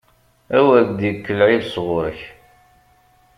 A wer d-yekk lɛib sɣur-k!